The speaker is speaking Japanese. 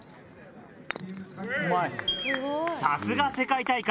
さすが世界大会。